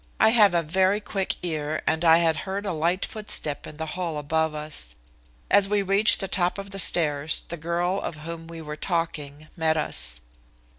I have a very quick ear, and I had heard a light footstep in the hall above us. As we reached the top of the stairs the girl of whom we were talking met us.